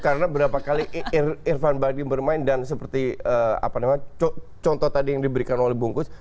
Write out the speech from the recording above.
karena berapa kali irfan bahdim bermain dan seperti contoh tadi yang diberikan oleh bungkus